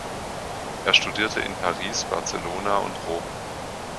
Er studierte in Paris, Barcelona und Rom.